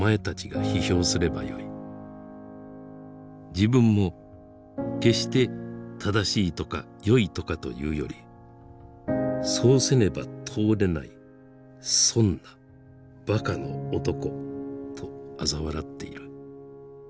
「自分も決して正しいとか良いとかと言うよりそうせねば通れない損な馬鹿の男とあざ笑っている」。